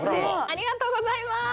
ありがとうございます！